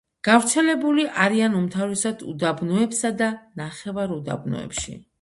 გავრცელებული არიან უმთავრესად უდაბნოებსა და ნახევარუდაბნოებში.